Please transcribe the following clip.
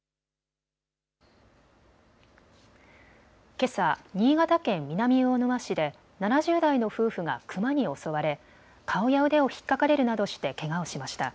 けさ新潟県南魚沼市で７０代の夫婦がクマに襲われ顔や腕をひっかかれるなどしてけがをしました。